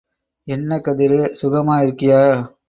என்ன கதிரு.. சுகமா இருக்கியா?